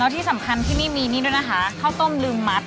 ที่สำคัญที่ไม่มีนี่ด้วยนะคะข้าวต้มลืมมัด